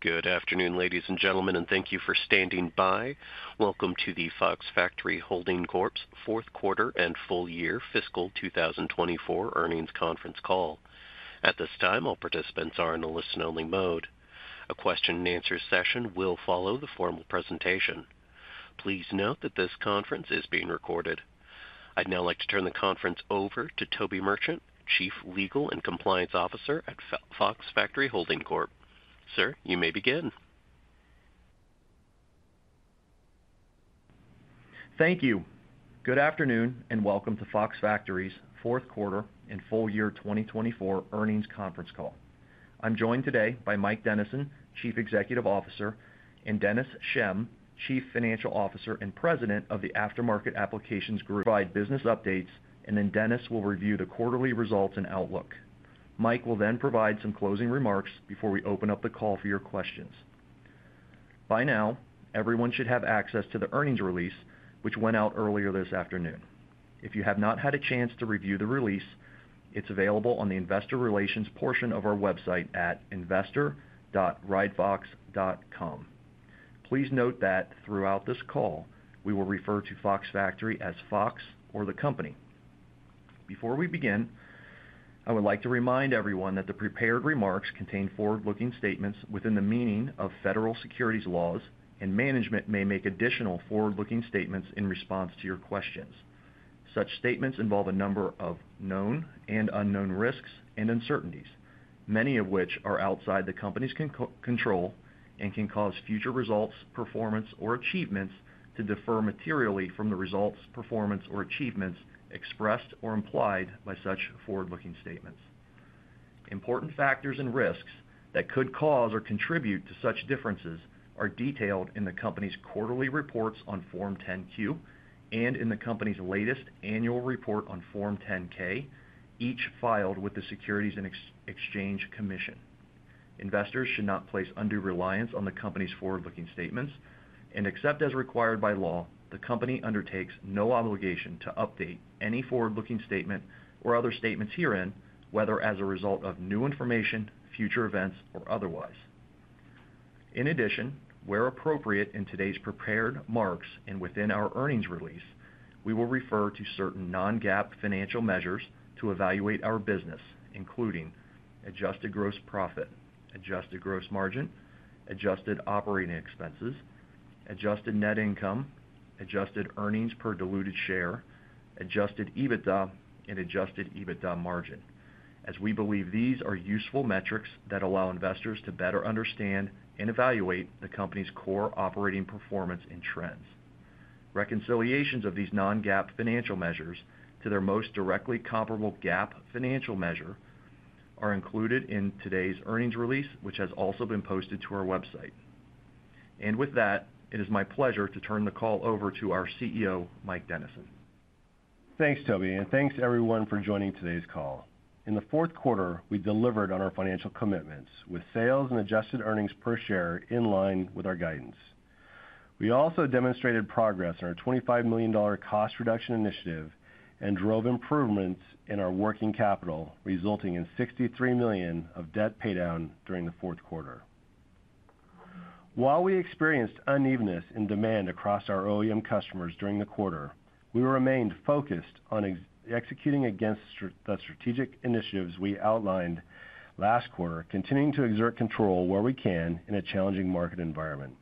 Good afternoon, ladies and gentlemen, and thank you for standing by. Welcome to the Fox Factory Holding Corp's fourth quarter and full year, fiscal 2024 earnings conference call. At this time, all participants are in a listen-only mode. A question-and-answer session will follow the formal presentation. Please note that this conference is being recorded. I'd now like to turn the conference over to Toby Merchant, Chief Legal and Compliance Officer at Fox Factory Holding Corp. Sir, you may begin. Thank you. Good afternoon, and welcome to Fox Factory's fourth quarter and full year 2024 earnings conference call. I'm joined today by Mike Dennison, Chief Executive Officer, and Dennis Schemm, Chief Financial Officer and President of the Aftermarket Applications Group. Mike will provide business updates, and then Dennis will review the quarterly results and outlook. Mike will then provide some closing remarks before we open up the call for your questions. By now, everyone should have access to the earnings release, which went out earlier this afternoon. If you have not had a chance to review the release, it's available on the investor relations portion of our website at investor.wrightfox.com. Please note that throughout this call, we will refer to Fox Factory as Fox or the Company. Before we begin, I would like to remind everyone that the prepared remarks contain forward-looking statements within the meaning of federal securities laws, and management may make additional forward-looking statements in response to your questions. Such statements involve a number of known and unknown risks and uncertainties, many of which are outside the company's control and can cause future results, performance, or achievements to differ materially from the results, performance, or achievements expressed or implied by such forward-looking statements. Important factors and risks that could cause or contribute to such differences are detailed in the company's quarterly reports on Form 10-Q and in the company's latest annual report on Form 10-K, each filed with the Securities and Exchange Commission. Investors should not place undue reliance on the company's forward-looking statements, and except as required by law, the company undertakes no obligation to update any forward-looking statement or other statements herein, whether as a result of new information, future events, or otherwise. In addition, where appropriate in today's prepared marks and within our earnings release, we will refer to certain non-GAAP financial measures to evaluate our business, including adjusted gross profit, adjusted gross margin, adjusted operating expenses, adjusted net income, adjusted earnings per diluted share, adjusted EBITDA, and adjusted EBITDA margin. As we believe these are useful metrics that allow investors to better understand and evaluate the company's core operating performance and trends. Reconciliations of these non-GAAP financial measures to their most directly comparable GAAP financial measure are included in today's earnings release, which has also been posted to our website. It is my pleasure to turn the call over to our CEO, Mike Dennison. Thanks, Toby, and thanks everyone for joining today's call. In the fourth quarter, we delivered on our financial commitments with sales and adjusted earnings per share in line with our guidance. We also demonstrated progress in our $25 million cost reduction initiative and drove improvements in our working capital, resulting in $63 million of debt paydown during the fourth quarter. While we experienced unevenness in demand across our OEM customers during the quarter, we remained focused on executing against the strategic initiatives we outlined last quarter, continuing to exert control where we can in a challenging market environment.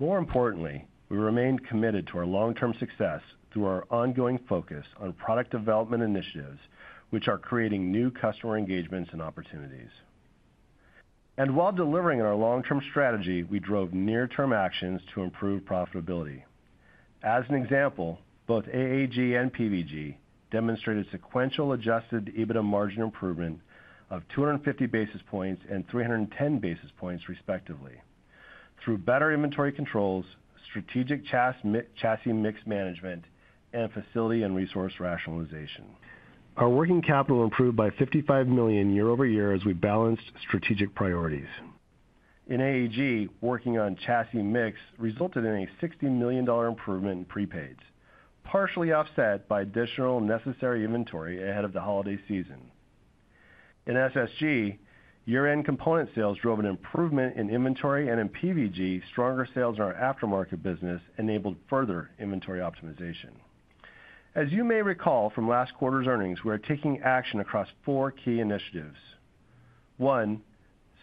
More importantly, we remained committed to our long-term success through our ongoing focus on product development initiatives, which are creating new customer engagements and opportunities. While delivering on our long-term strategy, we drove near-term actions to improve profitability. As an example, both AAG and PVG demonstrated sequential adjusted EBITDA margin improvement of 250 basis points and 310 basis points, respectively, through better inventory controls, strategic chassis mix management, and facility and resource rationalization. Our working capital improved by $55 million year over year as we balanced strategic priorities. In AAG, working on chassis mix resulted in a $60 million improvement in prepaids, partially offset by additional necessary inventory ahead of the holiday season. In SSG, year-end component sales drove an improvement in inventory, and in PVG, stronger sales in our aftermarket business enabled further inventory optimization. As you may recall from last quarter's earnings, we are taking action across four key initiatives. One,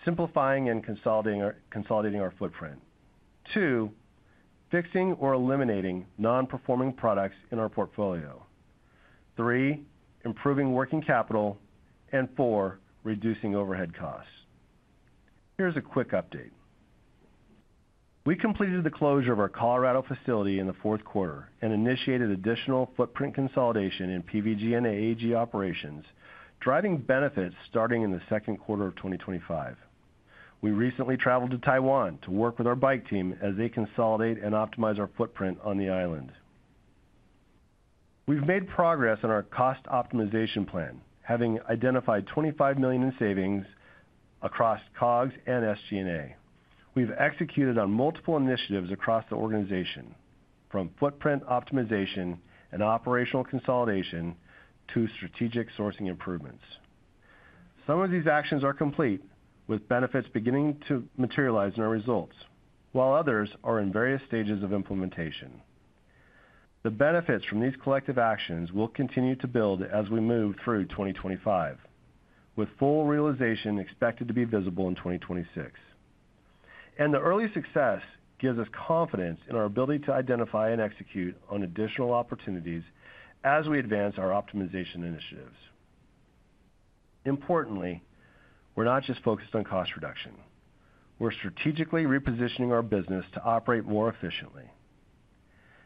simplifying and consolidating our footprint. Two, fixing or eliminating non-performing products in our portfolio. Three, improving working capital. Four, reducing overhead costs. Here's a quick update. We completed the closure of our Colorado facility in the fourth quarter and initiated additional footprint consolidation in PVG and AAG operations, driving benefits starting in the second quarter of 2025. We recently traveled to Taiwan to work with our bike team as they consolidate and optimize our footprint on the island. We've made progress on our cost optimization plan, having identified $25 million in savings across COGS and SG&A. We've executed on multiple initiatives across the organization, from footprint optimization and operational consolidation to strategic sourcing improvements. Some of these actions are complete, with benefits beginning to materialize in our results, while others are in various stages of implementation. The benefits from these collective actions will continue to build as we move through 2025, with full realization expected to be visible in 2026. The early success gives us confidence in our ability to identify and execute on additional opportunities as we advance our optimization initiatives. Importantly, we're not just focused on cost reduction. We're strategically repositioning our business to operate more efficiently.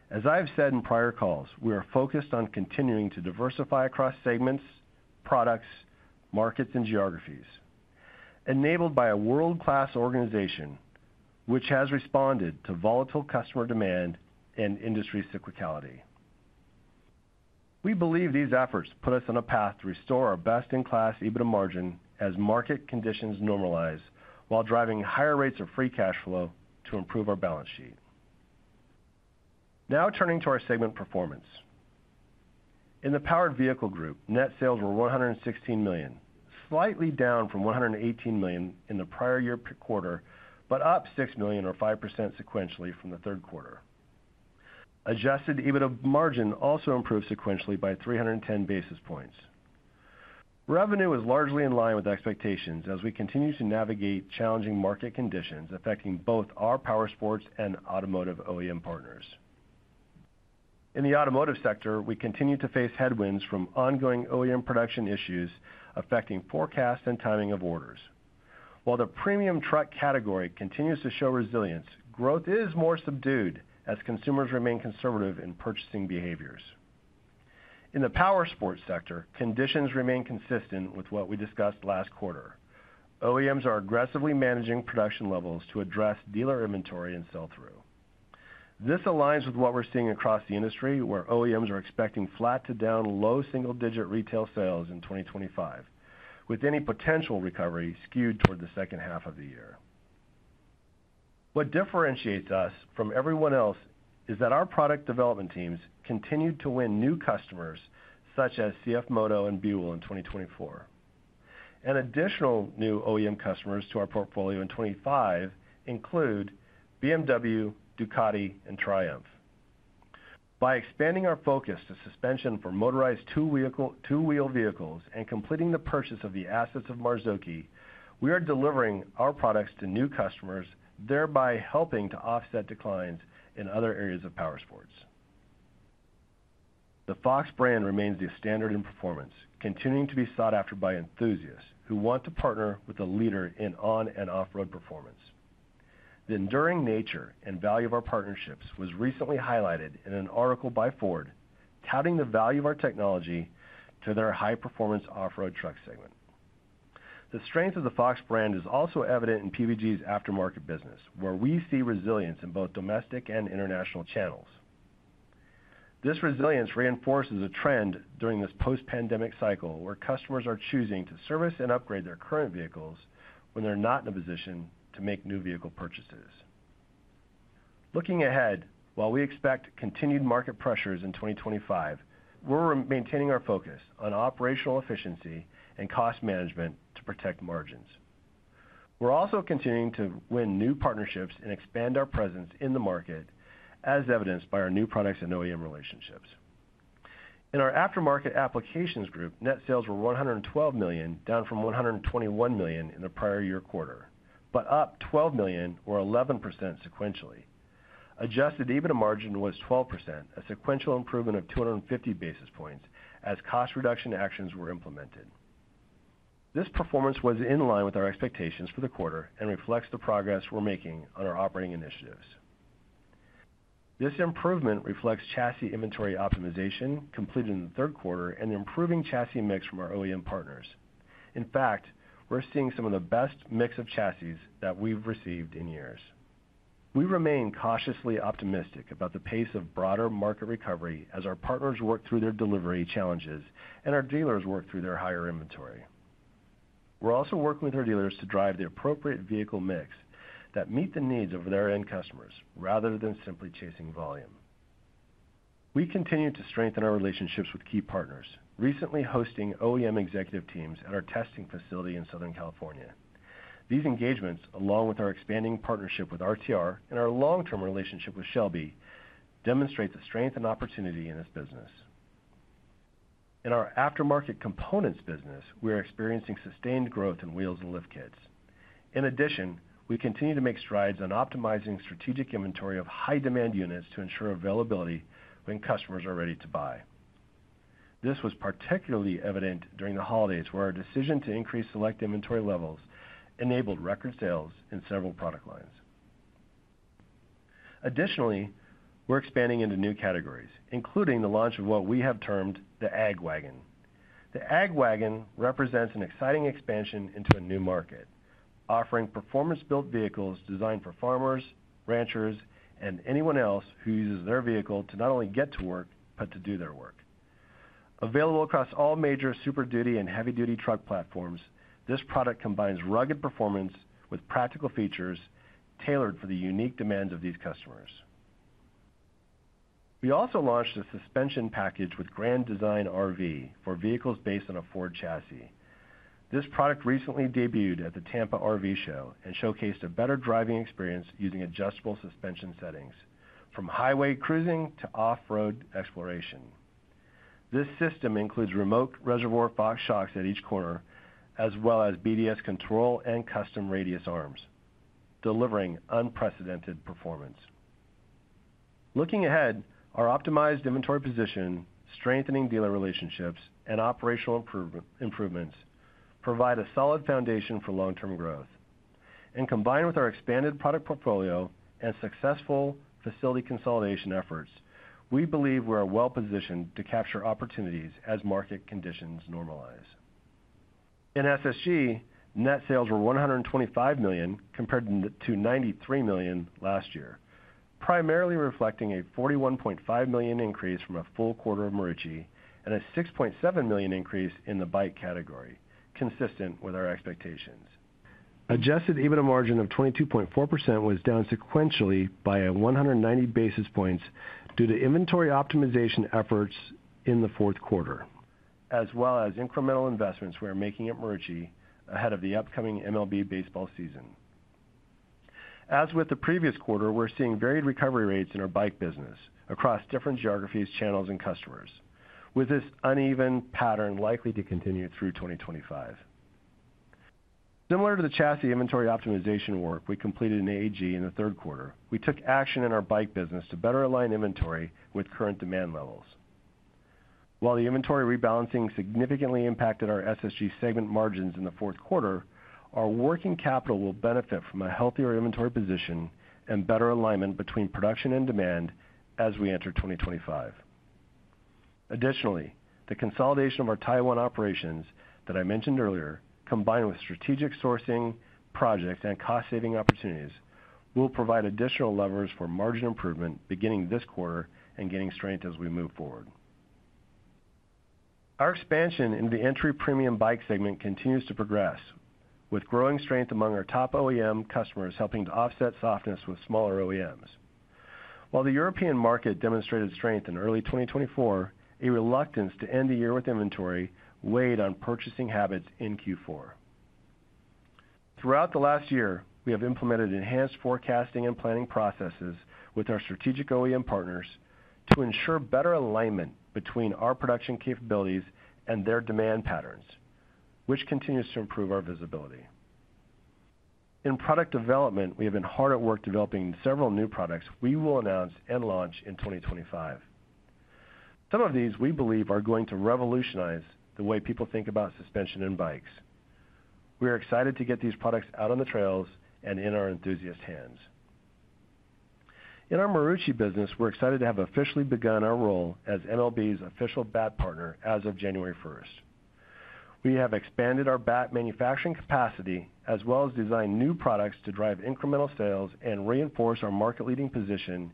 As I've said in prior calls, we are focused on continuing to diversify across segments, products, markets, and geographies, enabled by a world-class organization which has responded to volatile customer demand and industry cyclicality. We believe these efforts put us on a path to restore our best-in-class EBITDA margin as market conditions normalize while driving higher rates of free cash flow to improve our balance sheet. Now turning to our segment performance. In the powered vehicle group, net sales were $116 million, slightly down from $118 million in the prior year quarter, but up $6 million, or 5% sequentially, from the third quarter. Adjusted EBITDA margin also improved sequentially by 310 basis points. Revenue is largely in line with expectations as we continue to navigate challenging market conditions affecting both our power sports and automotive OEM partners. In the automotive sector, we continue to face headwinds from ongoing OEM production issues affecting forecasts and timing of orders. While the premium truck category continues to show resilience, growth is more subdued as consumers remain conservative in purchasing behaviors. In the power sports sector, conditions remain consistent with what we discussed last quarter. OEMs are aggressively managing production levels to address dealer inventory and sell-through. This aligns with what we're seeing across the industry, where OEMs are expecting flat to down low single-digit retail sales in 2025, with any potential recovery skewed toward the second half of the year. What differentiates us from everyone else is that our product development teams continue to win new customers, such as CF Moto and Buell in 2024. An additional new OEM customers to our portfolio in 2025 include BMW, Ducati, and Triumph. By expanding our focus to suspension for motorized two-wheel vehicles and completing the purchase of the assets of Marzocchi, we are delivering our products to new customers, thereby helping to offset declines in other areas of power sports. The Fox brand remains the standard in performance, continuing to be sought after by enthusiasts who want to partner with a leader in on- and off-road performance. The enduring nature and value of our partnerships was recently highlighted in an article by Ford, touting the value of our technology to their high-performance off-road truck segment. The strength of the Fox brand is also evident in PVG's aftermarket business, where we see resilience in both domestic and international channels. This resilience reinforces a trend during this post-pandemic cycle where customers are choosing to service and upgrade their current vehicles when they're not in a position to make new vehicle purchases. Looking ahead, while we expect continued market pressures in 2025, we're maintaining our focus on operational efficiency and cost management to protect margins. We're also continuing to win new partnerships and expand our presence in the market, as evidenced by our new products and OEM relationships. In our aftermarket applications group, net sales were $112 million, down from $121 million in the prior year quarter, but up $12 million, or 11% sequentially. Adjusted EBITDA margin was 12%, a sequential improvement of 250 basis points as cost reduction actions were implemented. This performance was in line with our expectations for the quarter and reflects the progress we're making on our operating initiatives. This improvement reflects chassis inventory optimization completed in the third quarter and improving chassis mix from our OEM partners. In fact, we're seeing some of the best mix of chassis that we've received in years. We remain cautiously optimistic about the pace of broader market recovery as our partners work through their delivery challenges and our dealers work through their higher inventory. We're also working with our dealers to drive the appropriate vehicle mix that meets the needs of their end customers rather than simply chasing volume. We continue to strengthen our relationships with key partners, recently hosting OEM executive teams at our testing facility in Southern California. These engagements, along with our expanding partnership with RTR and our long-term relationship with Shelby, demonstrate the strength and opportunity in this business. In our aftermarket components business, we are experiencing sustained growth in wheels and lift kits. In addition, we continue to make strides on optimizing strategic inventory of high-demand units to ensure availability when customers are ready to buy. This was particularly evident during the holidays where our decision to increase select inventory levels enabled record sales in several product lines. Additionally, we're expanding into new categories, including the launch of what we have termed the Ag Wagon. The Ag Wagon represents an exciting expansion into a new market, offering performance-built vehicles designed for farmers, ranchers, and anyone else who uses their vehicle to not only get to work but to do their work. Available across all major super-duty and heavy-duty truck platforms, this product combines rugged performance with practical features tailored for the unique demands of these customers. We also launched a suspension package with Grand Design RV for vehicles based on a Ford chassis. This product recently debuted at the Tampa RV Show and showcased a better driving experience using adjustable suspension settings, from highway cruising to off-road exploration. This system includes remote reservoir Fox shocks at each corner, as well as BDS control and custom radius arms, delivering unprecedented performance. Looking ahead, our optimized inventory position, strengthening dealer relationships, and operational improvements provide a solid foundation for long-term growth. Combined with our expanded product portfolio and successful facility consolidation efforts, we believe we are well-positioned to capture opportunities as market conditions normalize. In SSG, net sales were $125 million compared to $93 million last year, primarily reflecting a $41.5 million increase from a full quarter of Marucci and a $6.7 million increase in the bike category, consistent with our expectations. Adjusted EBITDA margin of 22.4% was down sequentially by 190 basis points due to inventory optimization efforts in the fourth quarter, as well as incremental investments we are making at Marucci ahead of the upcoming MLB baseball season. As with the previous quarter, we're seeing varied recovery rates in our bike business across different geographies, channels, and customers, with this uneven pattern likely to continue through 2025. Similar to the chassis inventory optimization work we completed in AAG in the third quarter, we took action in our bike business to better align inventory with current demand levels. While the inventory rebalancing significantly impacted our SSG segment margins in the fourth quarter, our working capital will benefit from a healthier inventory position and better alignment between production and demand as we enter 2025. Additionally, the consolidation of our Taiwan operations that I mentioned earlier, combined with strategic sourcing projects and cost-saving opportunities, will provide additional levers for margin improvement beginning this quarter and gaining strength as we move forward. Our expansion in the entry premium bike segment continues to progress, with growing strength among our top OEM customers helping to offset softness with smaller OEMs. While the European market demonstrated strength in early 2024, a reluctance to end the year with inventory weighed on purchasing habits in Q4. Throughout the last year, we have implemented enhanced forecasting and planning processes with our strategic OEM partners to ensure better alignment between our production capabilities and their demand patterns, which continues to improve our visibility. In product development, we have been hard at work developing several new products we will announce and launch in 2025. Some of these we believe are going to revolutionize the way people think about suspension and bikes. We are excited to get these products out on the trails and in our enthusiast hands. In our Marucci business, we're excited to have officially begun our role as MLB's official bat partner as of January first. We have expanded our bat manufacturing capacity as well as designed new products to drive incremental sales and reinforce our market-leading position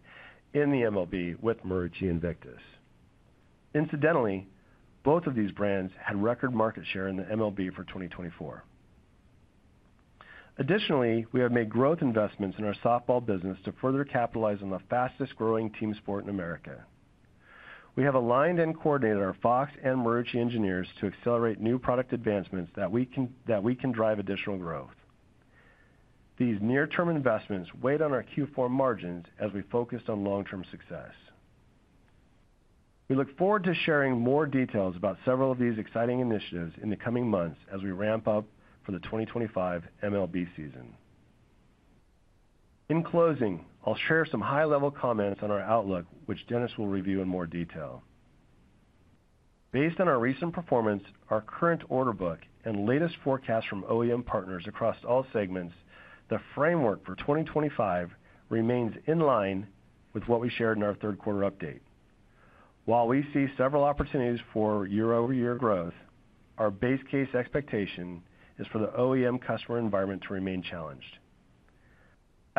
in the MLB with Marucci Invictus. Incidentally, both of these brands had record market share in the MLB for 2024. Additionally, we have made growth investments in our softball business to further capitalize on the fastest-growing team sport in America. We have aligned and coordinated our Fox and Marucci engineers to accelerate new product advancements that we can drive additional growth. These near-term investments weighed on our Q4 margins as we focused on long-term success. We look forward to sharing more details about several of these exciting initiatives in the coming months as we ramp up for the 2025 MLB season. In closing, I'll share some high-level comments on our outlook, which Dennis will review in more detail. Based on our recent performance, our current order book, and latest forecasts from OEM partners across all segments, the framework for 2025 remains in line with what we shared in our third-quarter update. While we see several opportunities for year-over-year growth, our base case expectation is for the OEM customer environment to remain challenged.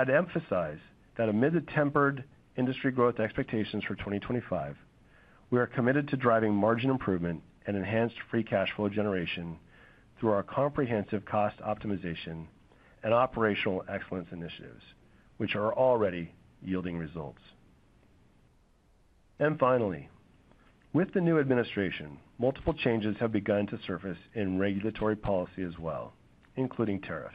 I’d emphasize that amid the tempered industry growth expectations for 2025, we are committed to driving margin improvement and enhanced free cash flow generation through our comprehensive cost optimization and operational excellence initiatives, which are already yielding results. Finally, with the new administration, multiple changes have begun to surface in regulatory policy as well, including tariffs.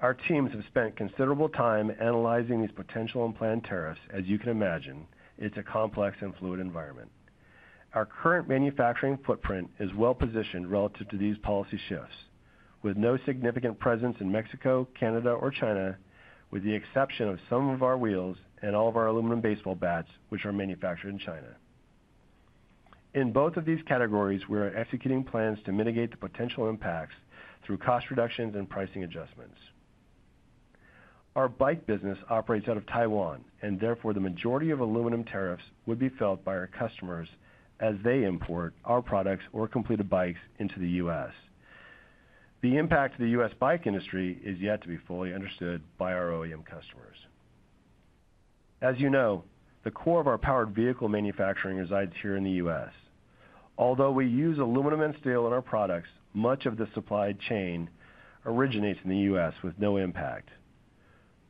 Our teams have spent considerable time analyzing these potential and planned tariffs, as you can imagine. It’s a complex and fluid environment. Our current manufacturing footprint is well-positioned relative to these policy shifts, with no significant presence in Mexico, Canada, or China, with the exception of some of our wheels and all of our aluminum baseball bats, which are manufactured in China. In both of these categories, we are executing plans to mitigate the potential impacts through cost reductions and pricing adjustments. Our bike business operates out of Taiwan, and therefore the majority of aluminum tariffs would be felt by our customers as they import our products or complete bikes into the U.S. The impact of the U.S. bike industry is yet to be fully understood by our OEM customers. As you know, the core of our powered vehicle manufacturing resides here in the U.S. Although we use aluminum and steel in our products, much of the supply chain originates in the U.S. with no impact.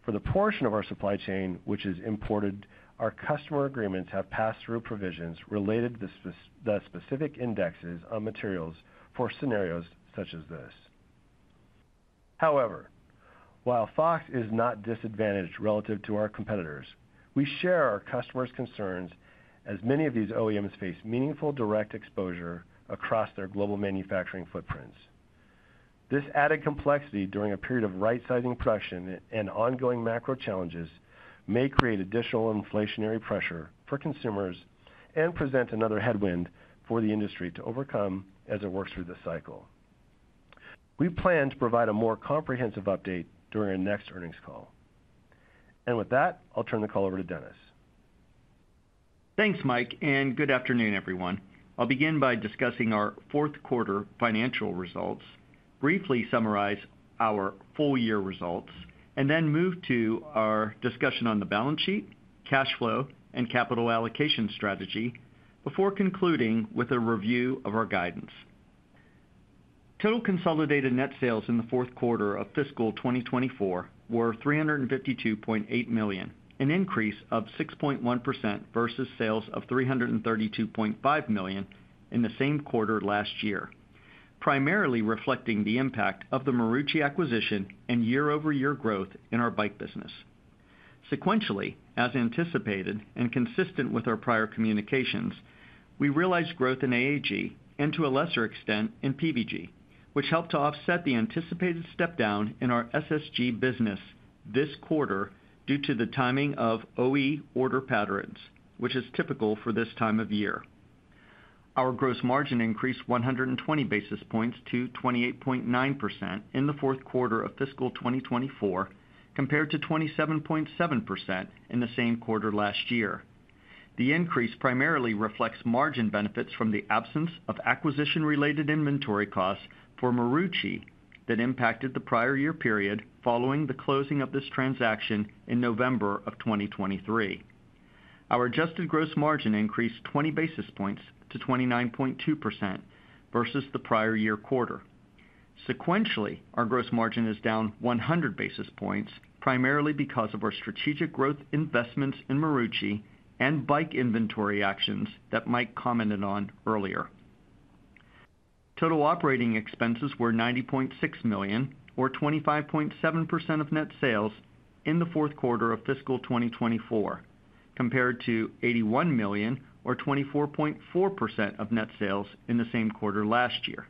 For the portion of our supply chain which is imported, our customer agreements have passed through provisions related to the specific indexes on materials for scenarios such as this. However, while Fox is not disadvantaged relative to our competitors, we share our customers' concerns as many of these OEMs face meaningful direct exposure across their global manufacturing footprints. This added complexity during a period of right-sizing production and ongoing macro challenges may create additional inflationary pressure for consumers and present another headwind for the industry to overcome as it works through the cycle. We plan to provide a more comprehensive update during our next earnings call. With that, I'll turn the call over to Dennis. Thanks, Mike, and good afternoon, everyone. I'll begin by discussing our fourth-quarter financial results, briefly summarize our full-year results, and then move to our discussion on the balance sheet, cash flow, and capital allocation strategy before concluding with a review of our guidance. Total consolidated net sales in the fourth quarter of fiscal 2024 were $352.8 million, an increase of 6.1% versus sales of $332.5 million in the same quarter last year, primarily reflecting the impact of the Marucci acquisition and year-over-year growth in our bike business. Sequentially, as anticipated and consistent with our prior communications, we realized growth in AAG and, to a lesser extent, in PVG, which helped to offset the anticipated step down in our SSG business this quarter due to the timing of OE order patterns, which is typical for this time of year. Our gross margin increased 120 basis points to 28.9% in the fourth quarter of fiscal 2024 compared to 27.7% in the same quarter last year. The increase primarily reflects margin benefits from the absence of acquisition-related inventory costs for Marucci that impacted the prior year period following the closing of this transaction in November of 2023. Our adjusted gross margin increased 20 basis points to 29.2% versus the prior year quarter. Sequentially, our gross margin is down 100 basis points, primarily because of our strategic growth investments in Marucci and bike inventory actions that Mike commented on earlier. Total operating expenses were $90.6 million, or 25.7% of net sales, in the fourth quarter of fiscal 2024, compared to $81 million, or 24.4% of net sales, in the same quarter last year.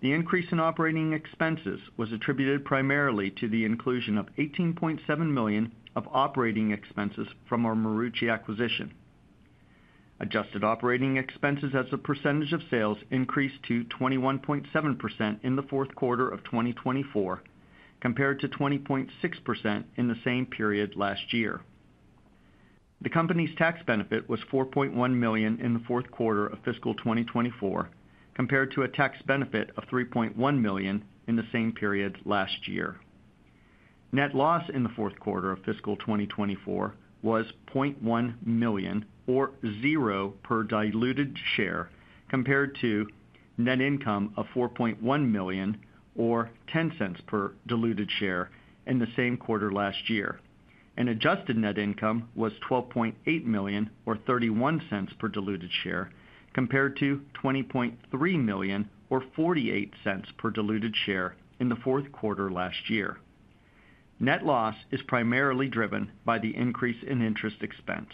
The increase in operating expenses was attributed primarily to the inclusion of $18.7 million of operating expenses from our Marucci acquisition. Adjusted operating expenses as a percentage of sales increased to 21.7% in the fourth quarter of 2024, compared to 20.6% in the same period last year. The company's tax benefit was $4.1 million in the fourth quarter of fiscal 2024, compared to a tax benefit of $3.1 million in the same period last year. Net loss in the fourth quarter of fiscal 2024 was $0.1 million, or zero per diluted share, compared to net income of $4.1 million, or $0.10 per diluted share in the same quarter last year. Adjusted net income was $12.8 million, or $0.31 per diluted share, compared to $20.3 million, or $0.48 per diluted share in the fourth quarter last year. Net loss is primarily driven by the increase in interest expense.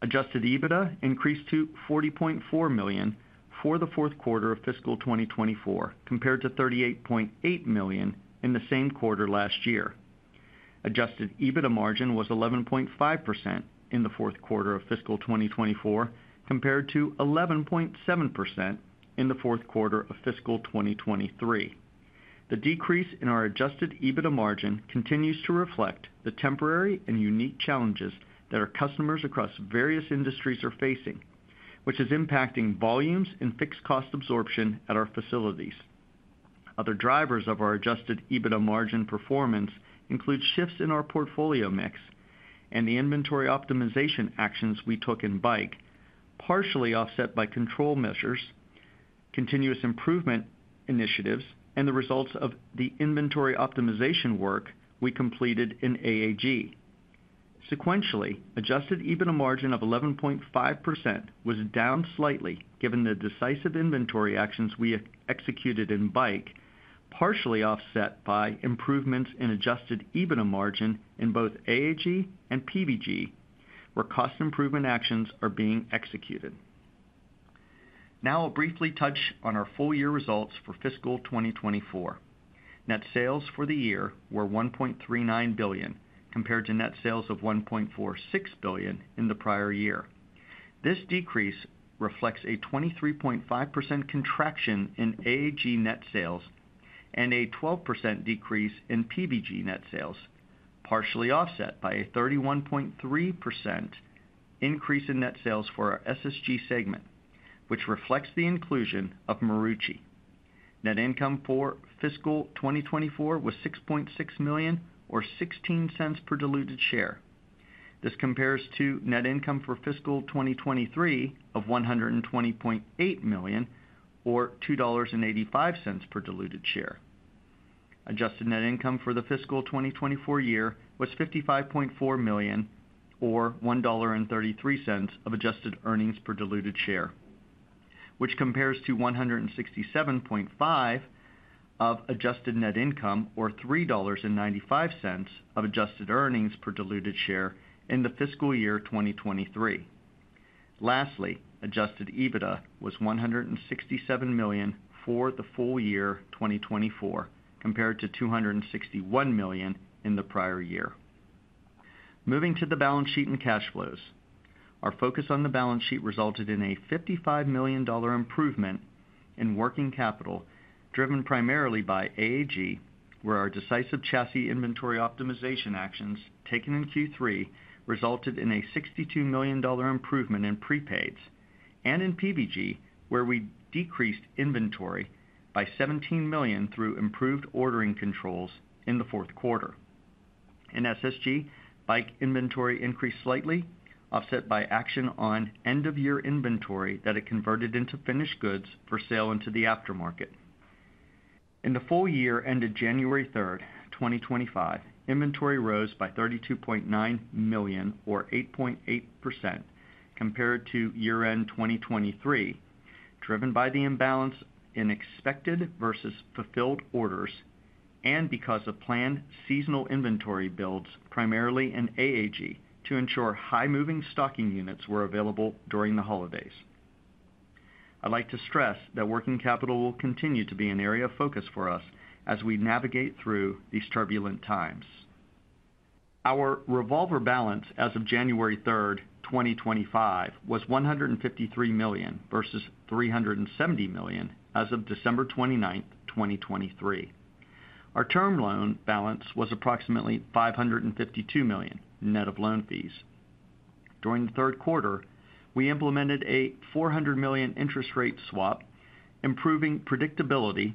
Adjusted EBITDA increased to $40.4 million for the fourth quarter of fiscal 2024, compared to $38.8 million in the same quarter last year. Adjusted EBITDA margin was 11.5% in the fourth quarter of fiscal 2024, compared to 11.7% in the fourth quarter of fiscal 2023. The decrease in our adjusted EBITDA margin continues to reflect the temporary and unique challenges that our customers across various industries are facing, which is impacting volumes and fixed cost absorption at our facilities. Other drivers of our adjusted EBITDA margin performance include shifts in our portfolio mix and the inventory optimization actions we took in bike, partially offset by control measures, continuous improvement initiatives, and the results of the inventory optimization work we completed in AAG. Sequentially, adjusted EBITDA margin of 11.5% was down slightly given the decisive inventory actions we executed in bike, partially offset by improvements in adjusted EBITDA margin in both AAG and PVG, where cost improvement actions are being executed. Now I'll briefly touch on our full-year results for fiscal 2024. Net sales for the year were $1.39 billion, compared to net sales of $1.46 billion in the prior year. This decrease reflects a 23.5% contraction in AAG net sales and a 12% decrease in PVG net sales, partially offset by a 31.3% increase in net sales for our SSG segment, which reflects the inclusion of Marucci. Net income for fiscal 2024 was $6.6 million, or $0.16 per diluted share. This compares to net income for fiscal 2023 of $120.8 million, or $2.85 per diluted share. Adjusted net income for the fiscal 2024 year was $55.4 million, or $1.33 of adjusted earnings per diluted share, which compares to $167.5 million of adjusted net income, or $3.95 of adjusted earnings per diluted share in the fiscal year 2023. Lastly, adjusted EBITDA was $167 million for the full year 2024, compared to $261 million in the prior year. Moving to the balance sheet and cash flows. Our focus on the balance sheet resulted in a $55 million improvement in working capital, driven primarily by AAG, where our decisive chassis inventory optimization actions taken in Q3 resulted in a $62 million improvement in prepaids, and in PVG, where we decreased inventory by $17 million through improved ordering controls in the fourth quarter. In SSG, bike inventory increased slightly, offset by action on end-of-year inventory that it converted into finished goods for sale into the aftermarket. In the full year ended January 3, 2025, inventory rose by $32.9 million, or 8.8%, compared to year-end 2023, driven by the imbalance in expected versus fulfilled orders and because of planned seasonal inventory builds, primarily in AAG, to ensure high-moving stocking units were available during the holidays. I'd like to stress that working capital will continue to be an area of focus for us as we navigate through these turbulent times. Our revolver balance as of January 3, 2025, was $153 million versus $370 million as of December 29, 2023. Our term loan balance was approximately $552 million net of loan fees. During the third quarter, we implemented a $400 million interest rate swap, improving predictability,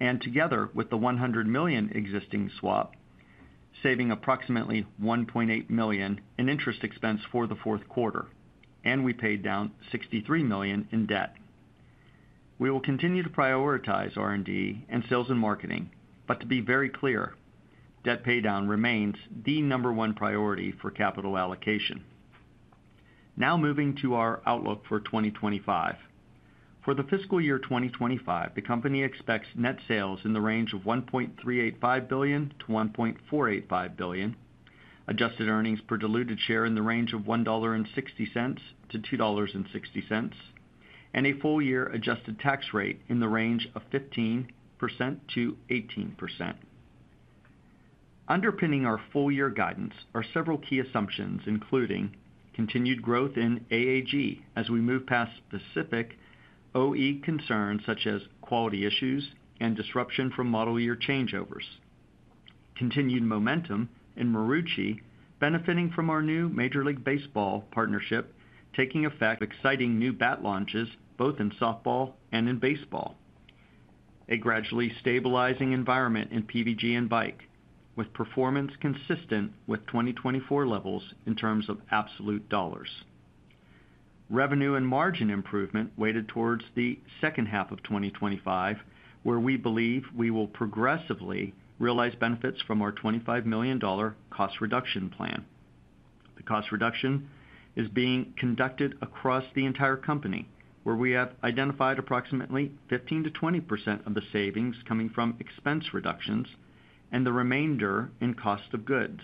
and together with the $100 million existing swap, saving approximately $1.8 million in interest expense for the fourth quarter, and we paid down $63 million in debt. We will continue to prioritize R&D and sales and marketing, but to be very clear, debt paydown remains the number one priority for capital allocation. Now moving to our outlook for 2025. For the fiscal year 2025, the company expects net sales in the range of $1.385 billion-$1.485 billion, adjusted earnings per diluted share in the range of $1.60-$2.60, and a full-year adjusted tax rate in the range of 15%-18%. Underpinning our full-year guidance are several key assumptions, including continued growth in AAG as we move past specific OE concerns such as quality issues and disruption from model year changeovers, continued momentum in Marucci benefiting from our new Major League Baseball partnership taking effect, exciting new bat launches both in softball and in baseball, a gradually stabilizing environment in PVG and bike, with performance consistent with 2024 levels in terms of absolute dollars. Revenue and margin improvement weighted towards the second half of 2025, where we believe we will progressively realize benefits from our $25 million cost reduction plan. The cost reduction is being conducted across the entire company, where we have identified approximately 15%-20% of the savings coming from expense reductions and the remainder in cost of goods.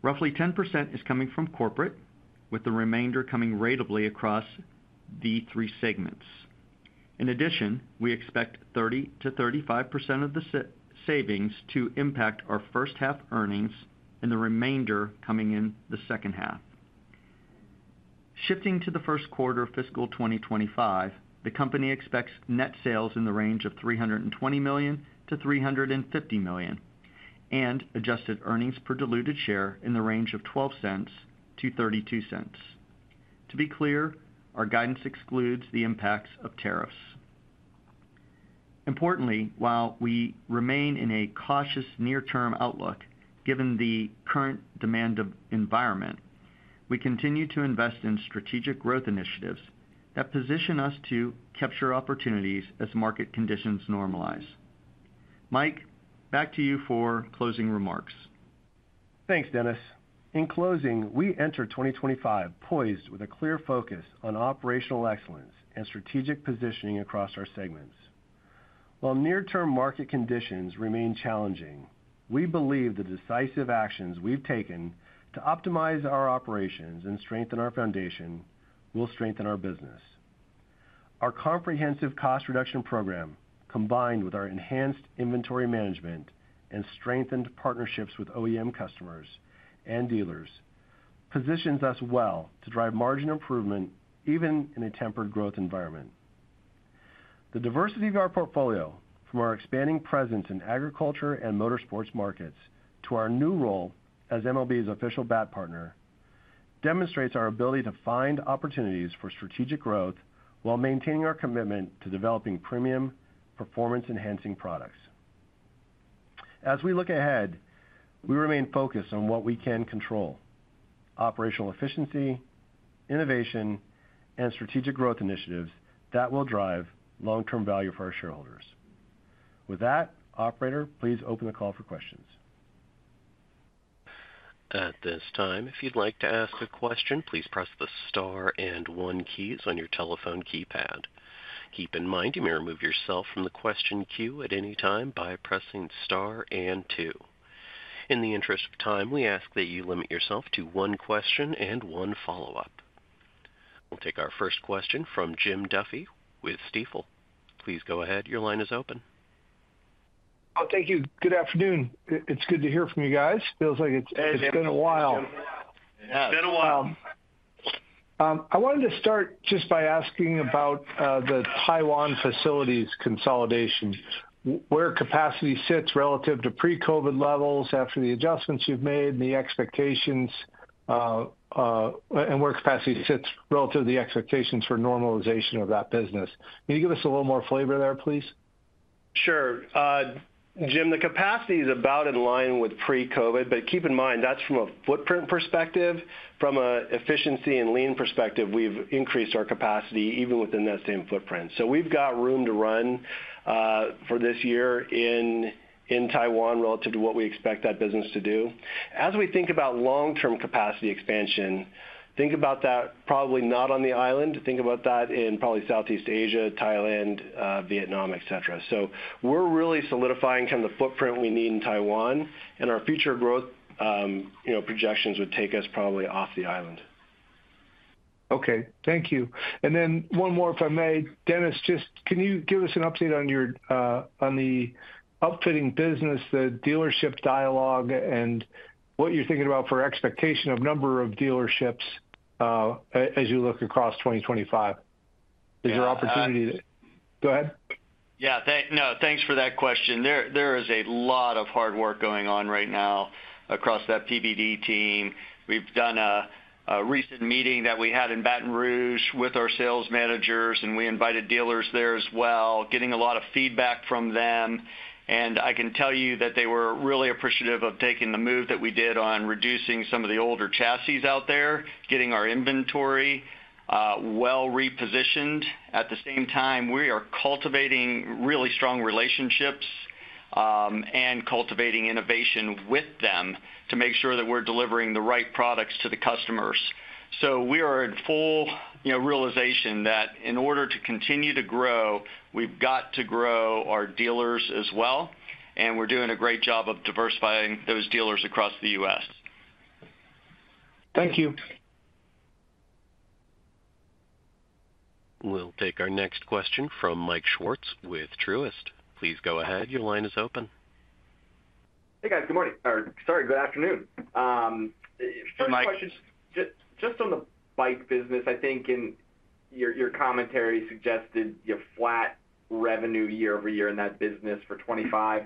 Roughly 10% is coming from corporate, with the remainder coming ratably across the three segments. In addition, we expect 30%-35% of the savings to impact our first-half earnings and the remainder coming in the second half. Shifting to the first quarter of fiscal 2025, the company expects net sales in the range of $320 million-$350 million and adjusted earnings per diluted share in the range of $0.12-$0.32. To be clear, our guidance excludes the impacts of tariffs. Importantly, while we remain in a cautious near-term outlook given the current demand environment, we continue to invest in strategic growth initiatives that position us to capture opportunities as market conditions normalize. Mike, back to you for closing remarks. Thanks, Dennis. In closing, we enter 2025 poised with a clear focus on operational excellence and strategic positioning across our segments. While near-term market conditions remain challenging, we believe the decisive actions we've taken to optimize our operations and strengthen our foundation will strengthen our business. Our comprehensive cost reduction program, combined with our enhanced inventory management and strengthened partnerships with OEM customers and dealers, positions us well to drive margin improvement even in a tempered growth environment. The diversity of our portfolio, from our expanding presence in agriculture and motorsports markets to our new role as MLB's official bat partner, demonstrates our ability to find opportunities for strategic growth while maintaining our commitment to developing premium, performance-enhancing products. As we look ahead, we remain focused on what we can control: operational efficiency, innovation, and strategic growth initiatives that will drive long-term value for our shareholders. With that, Operator, please open the call for questions. At this time, if you'd like to ask a question, please press the star and one keys on your telephone keypad. Keep in mind, you may remove yourself from the question queue at any time by pressing star and two. In the interest of time, we ask that you limit yourself to one question and one follow-up. We'll take our first question from Jim Duffy with Stifel. Please go ahead. Your line is open. Thank you. Good afternoon. It's good to hear from you guys. Feels like it's been a while. It's been a while. I wanted to start just by asking about the Taiwan facilities consolidation, where capacity sits relative to pre-COVID levels after the adjustments you've made and the expectations, and where capacity sits relative to the expectations for normalization of that business. Can you give us a little more flavor there, please? Sure. Jim, the capacity is about in line with pre-COVID, but keep in mind, that's from a footprint perspective. From an efficiency and lean perspective, we've increased our capacity even within that same footprint. So we've got room to run for this year in Taiwan relative to what we expect that business to do. As we think about long-term capacity expansion, think about that probably not on the island. Think about that in probably Southeast Asia, Thailand, Vietnam, etc. We're really solidifying kind of the footprint we need in Taiwan, and our future growth projections would take us probably off the island. Okay. Thank you. One more, if I may. Dennis, can you give us an update on the upfitting business, the dealership dialogue, and what you're thinking about for expectation of number of dealerships as you look across 2025? Is there an opportunity to go ahead? Yeah. No, thanks for that question. There is a lot of hard work going on right now across that PBD team. We've done a recent meeting that we had in Baton Rouge with our sales managers, and we invited dealers there as well, getting a lot of feedback from them. I can tell you that they were really appreciative of taking the move that we did on reducing some of the older chassis out there, getting our inventory well repositioned. At the same time, we are cultivating really strong relationships and cultivating innovation with them to make sure that we're delivering the right products to the customers. We are in full realization that in order to continue to grow, we've got to grow our dealers as well, and we're doing a great job of diversifying those dealers across the US. Thank you. We'll take our next question from Mike Swartz with Truist. Please go ahead. Your line is open. Hey, guys. Good morning. Sorry, good afternoon. First question. Just on the bike business, I think in your commentary suggested you have flat revenue year over year in that business for 2025.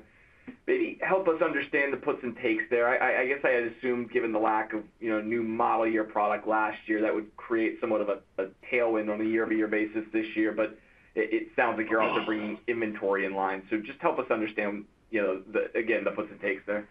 Maybe help us understand the puts and takes there. I guess I assume, given the lack of new model year product last year, that would create somewhat of a tailwind on a year-over-year basis this year, but it sounds like you're also bringing inventory in line. Just help us understand, again, the puts and takes there.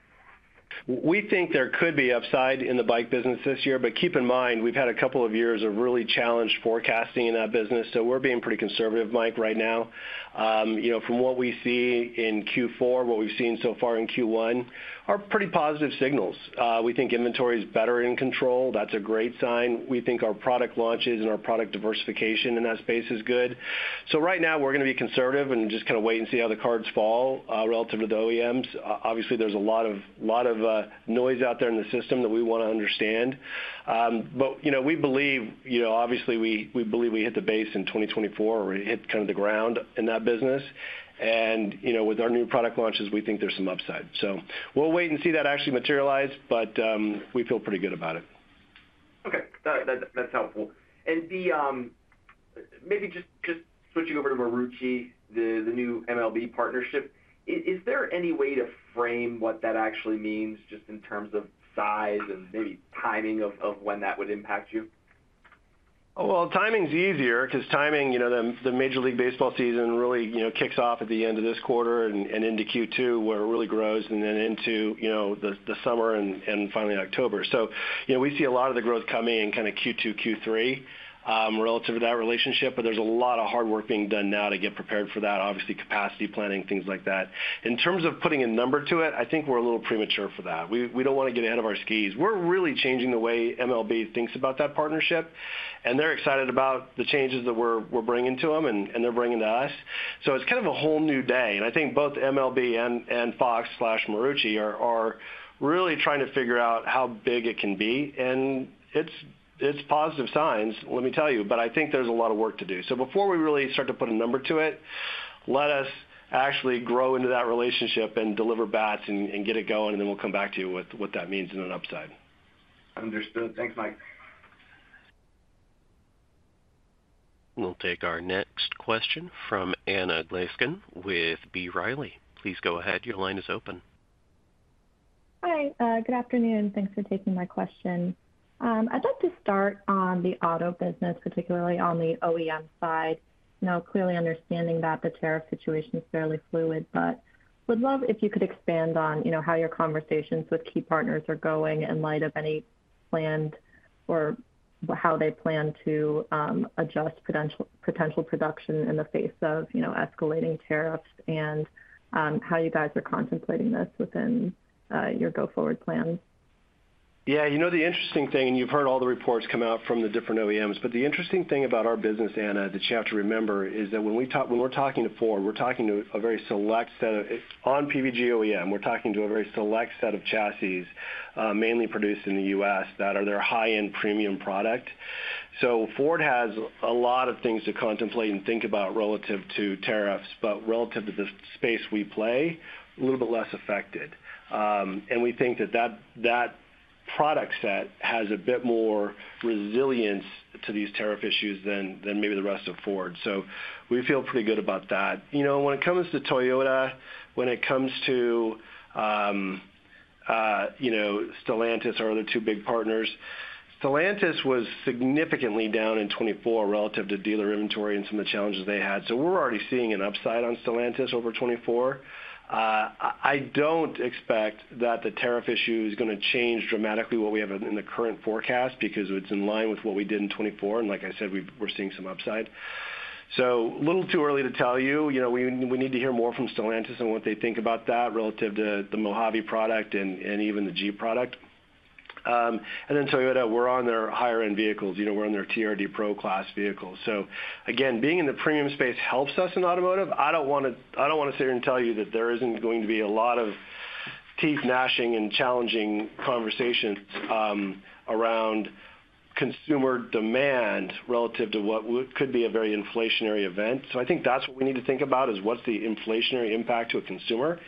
We think there could be upside in the bike business this year, but keep in mind, we've had a couple of years of really challenged forecasting in that business, so we're being pretty conservative, Mike, right now. From what we see in Q4, what we've seen so far in Q1 are pretty positive signals. We think inventory is better in control. That's a great sign. We think our product launches and our product diversification in that space is good. Right now, we're going to be conservative and just kind of wait and see how the cards fall relative to the OEMs. Obviously, there's a lot of noise out there in the system that we want to understand. We believe, obviously, we believe we hit the base in 2024 or hit kind of the ground in that business. With our new product launches, we think there's some upside. We'll wait and see that actually materialize, but we feel pretty good about it. Okay. That's helpful. Maybe just switching over to Marucci, the new MLB partnership, is there any way to frame what that actually means just in terms of size and maybe timing of when that would impact you? Timing's easier because timing, the Major League Baseball season really kicks off at the end of this quarter and into Q2, where it really grows, and then into the summer and finally October. We see a lot of the growth coming in kind of Q2, Q3 relative to that relationship, but there's a lot of hard work being done now to get prepared for that, obviously, capacity planning, things like that. In terms of putting a number to it, I think we're a little premature for that. We don't want to get ahead of our skis. We're really changing the way MLB thinks about that partnership, and they're excited about the changes that we're bringing to them and they're bringing to us. It's kind of a whole new day. I think both MLB and Fox/Marucci are really trying to figure out how big it can be. It's positive signs, let me tell you, but I think there's a lot of work to do. Before we really start to put a number to it, let us actually grow into that relationship and deliver bats and get it going, and then we'll come back to you with what that means in an upside. Understood. Thanks, Mike. We'll take our next question from Anna Glaessgen with B. Riley. Please go ahead. Your line is open. Hi. Good afternoon. Thanks for taking my question. I'd like to start on the auto business, particularly on the OEM side. Now, clearly understanding that the tariff situation is fairly fluid, but would love if you could expand on how your conversations with key partners are going in light of any planned or how they plan to adjust potential production in the face of escalating tariffs and how you guys are contemplating this within your go-forward plans. Yeah. You know the interesting thing, and you've heard all the reports come out from the different OEMs, but the interesting thing about our business, Anna, that you have to remember is that when we're talking to Ford, we're talking to a very select set of on PVG OEM, we're talking to a very select set of chassis, mainly produced in the U.S., that are their high-end premium product. Ford has a lot of things to contemplate and think about relative to tariffs, but relative to the space we play, a little bit less affected. We think that that product set has a bit more resilience to these tariff issues than maybe the rest of Ford. We feel pretty good about that. When it comes to Toyota, when it comes to Stellantis or other two big partners, Stellantis was significantly down in 2024 relative to dealer inventory and some of the challenges they had. We are already seeing an upside on Stellantis over 2024. I do not expect that the tariff issue is going to change dramatically what we have in the current forecast because it is in line with what we did in 2024. Like I said, we are seeing some upside. A little too early to tell you. We need to hear more from Stellantis and what they think about that relative to the Mojave product and even the Jeep product. Toyota, we're on their higher-end vehicles. We're on their TRD Pro Class vehicles. Being in the premium space helps us in automotive. I don't want to sit here and tell you that there isn't going to be a lot of teeth gnashing and challenging conversations around consumer demand relative to what could be a very inflationary event. I think that's what we need to think about is what's the inflationary impact to a consumer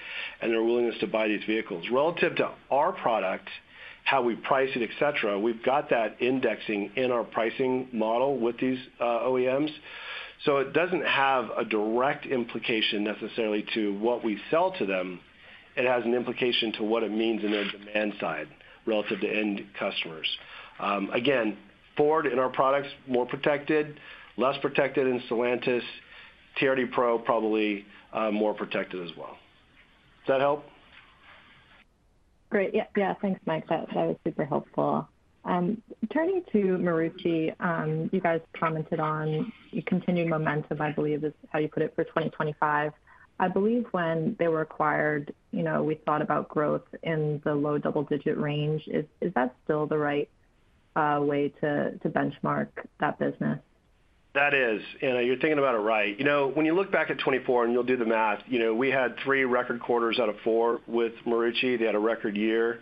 and their willingness to buy these vehicles. Relative to our product, how we price it, etc., we've got that indexing in our pricing model with these OEMs. It doesn't have a direct implication necessarily to what we sell to them. It has an implication to what it means in their demand side relative to end customers. Again, Ford and our products are more protected, less protected in Stellantis. TRD Pro is probably more protected as well. Does that help? Great. Yeah. Thanks, Mike. That was super helpful. Turning to Marucci, you guys commented on continued momentum, I believe, is how you put it for 2025. I believe when they were acquired, we thought about growth in the low double-digit range. Is that still the right way to benchmark that business? That is. You're thinking about it right. When you look back at 2024 and you'll do the math, we had three record quarters out of four with Marucci. They had a record year.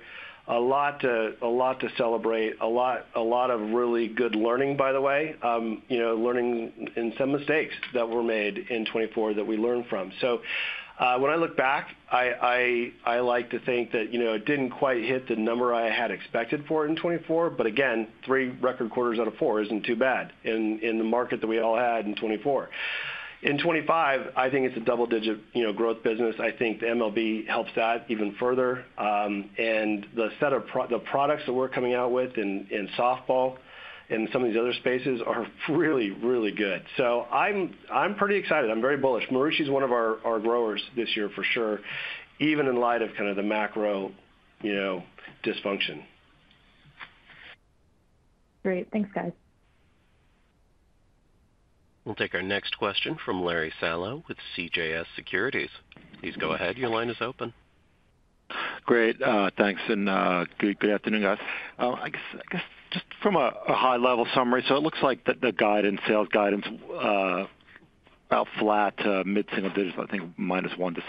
A lot to celebrate, a lot of really good learning, by the way, learning in some mistakes that were made in 2024 that we learned from. When I look back, I like to think that it didn't quite hit the number I had expected for it in 2024, but again, three record quarters out of four isn't too bad in the market that we all had in 2024. In 2025, I think it's a double-digit growth business. I think the MLB helps that even further. The set of products that we're coming out with in softball and some of these other spaces are really, really good. I'm pretty excited. I'm very bullish. Marucci is one of our growers this year, for sure, even in light of kind of the macro dysfunction. Great. Thanks, guys. We'll take our next question from Larry Solow with CJS Securities. Please go ahead. Your line is open. Great. Thanks. Good afternoon, guys. I guess just from a high-level summary, it looks like the sales guidance flat to mid-single digits, I think minus 1% to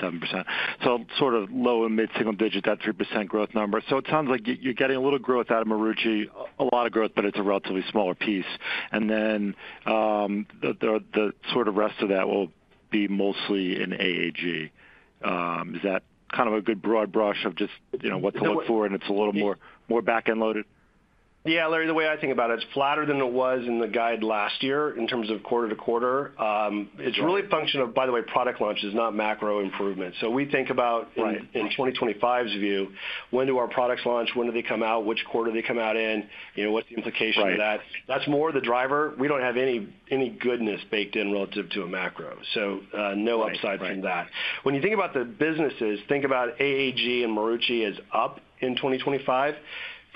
7%. Sort of low and mid-single digit, that 3% growth number. It sounds like you're getting a little growth out of Marucci, a lot of growth, but it's a relatively smaller piece. The sort of rest of that will be mostly in AAG. Is that kind of a good broad brush of just what to look for? It's a little more back-end loaded? Yeah. Larry, the way I think about it, it's flatter than it was in the guide last year in terms of quarter to quarter. It's really a function of, by the way, product launches, not macro improvements. We think about in 2025's view, when do our products launch? When do they come out? Which quarter do they come out in? What's the implication of that? That's more of the driver. We don't have any goodness baked in relative to a macro. So no upside from that. When you think about the businesses, think about AAG and Marucci as up in 2025.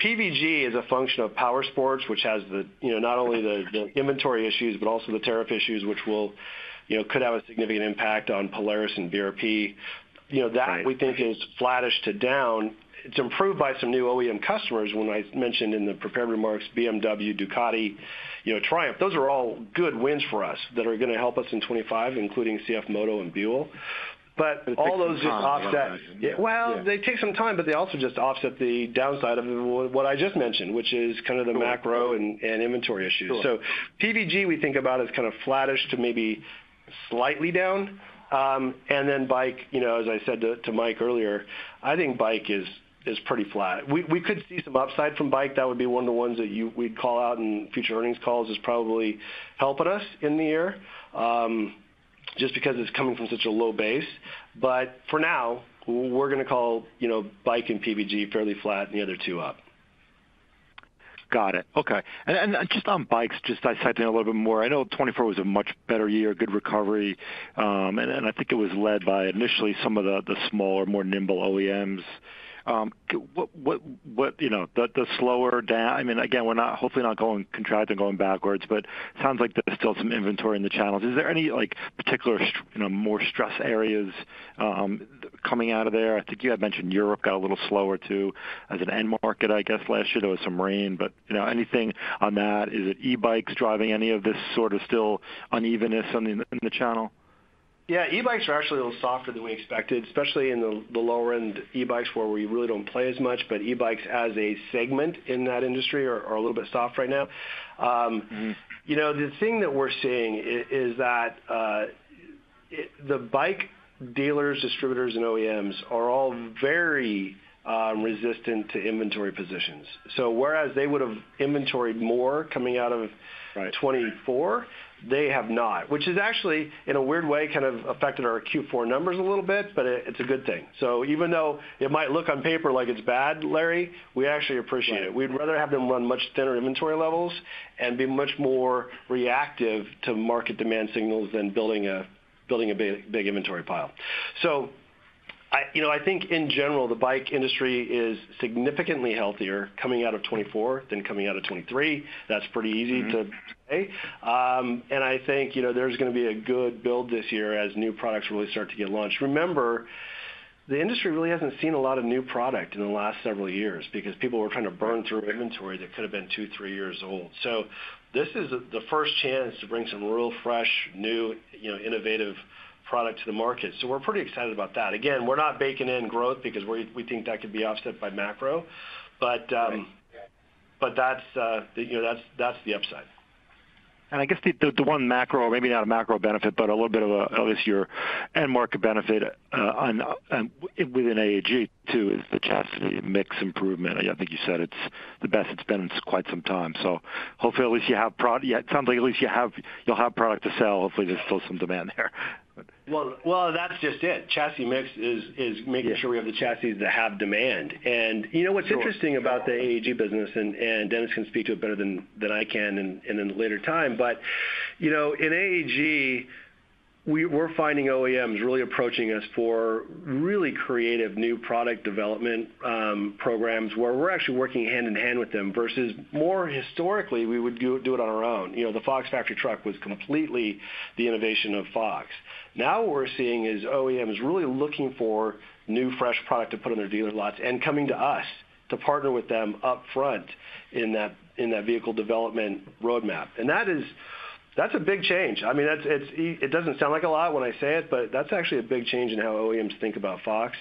PVG is a function of Power Sports, which has not only the inventory issues, but also the tariff issues, which could have a significant impact on Polaris and BRP. That we think is flattish to down. It's improved by some new OEM customers, when I mentioned in the prepared remarks, BMW, Ducati, Triumph. Those are all good wins for us that are going to help us in 2025, including CF Moto and Buell. But all those just offset. They take some time, but they also just offset the downside of what I just mentioned, which is kind of the macro and inventory issues. PBG we think about as kind of flattish to maybe slightly down. Then bike, as I said to Mike earlier, I think bike is pretty flat. We could see some upside from bike. That would be one of the ones that we'd call out in future earnings calls as probably helping us in the year just because it's coming from such a low base. For now, we're going to call bike and PBG fairly flat and the other two up. Got it. Okay. Just on bikes, just dissecting a little bit more. I know 2024 was a much better year, good recovery. I think it was led by initially some of the smaller, more nimble OEMs. The slower down, I mean, again, we're hopefully not contracting going backwards, but it sounds like there's still some inventory in the channels. Is there any particular more stress areas coming out of there? I think you had mentioned Europe got a little slower too as an end market, I guess, last year. There was some rain. Anything on that? Is it e-bikes driving any of this sort of still unevenness in the channel? Yeah. E-bikes are actually a little softer than we expected, especially in the lower-end e-bikes where we really don't play as much, but e-bikes as a segment in that industry are a little bit soft right now. The thing that we're seeing is that the bike dealers, distributors, and OEMs are all very resistant to inventory positions. Whereas they would have inventoried more coming out of 2024, they have not, which has actually, in a weird way, kind of affected our Q4 numbers a little bit, but it's a good thing. Even though it might look on paper like it's bad, Larry, we actually appreciate it. We'd rather have them run much thinner inventory levels and be much more reactive to market demand signals than building a big inventory pile. I think, in general, the bike industry is significantly healthier coming out of 2024 than coming out of 2023. That's pretty easy to say. I think there's going to be a good build this year as new products really start to get launched. Remember, the industry really hasn't seen a lot of new product in the last several years because people were trying to burn through inventory that could have been two, three years old. This is the first chance to bring some real fresh, new, innovative product to the market. We're pretty excited about that. Again, we're not baking in growth because we think that could be offset by macro. That's the upside. I guess the one macro, maybe not a macro benefit, but a little bit of at least your end market benefit within AAG too is the chassis mix improvement. I think you said it's the best it's been in quite some time. Hopefully, at least you have it sounds like at least you'll have product to sell. Hopefully, there's still some demand there. That's just it. Chassis mix is making sure we have the chassis that have demand. You know what's interesting about the AAG business, and Dennis can speak to it better than I can in a later time, but in AAG, we're finding OEMs really approaching us for really creative new product development programs where we're actually working hand in hand with them versus more historically, we would do it on our own. The Fox Factory truck was completely the innovation of Fox. Now what we're seeing is OEMs really looking for new fresh product to put in their dealer lots and coming to us to partner with them upfront in that vehicle development roadmap. That is a big change. I mean, it doesn't sound like a lot when I say it, but that's actually a big change in how OEMs think about Fox.